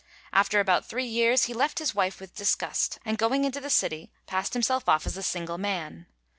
After about three years "he left his wife with disgust," and going into the city, passed himself off as a single man.